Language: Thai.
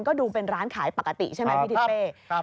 ก็ดูเป็นร้านขายปกติใช่ไหมพี่ทิเป้